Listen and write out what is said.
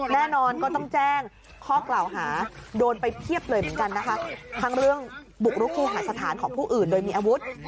แน่นอนก็ต้องแจ้งข้อกล่าวหาโดนไปเพียบเลยเหมือนกันนะคะทั้งเรื่องบุกรุกคู่หาสถานของผู้อื่นโดยมีอาวุธ